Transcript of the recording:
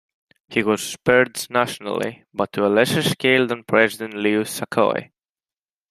He was purged nationally, but to a lesser scale than President Liu Shaoqi.